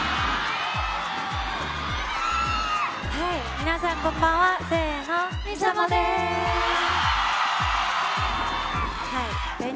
皆さん、こんばんは。